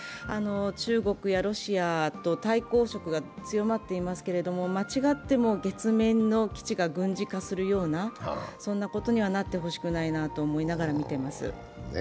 中国やロシアと対抗色が強まっていますけれども間違っても月面の基地が軍事化するようなことにはなってほしくないなと思いながら見ています。